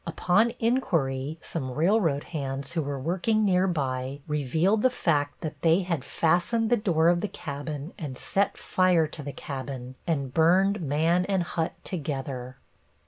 Upon inquiry some railroad hands who were working nearby revealed the fact that they had fastened the door of the cabin and set fire to the cabin and burned man and hut together.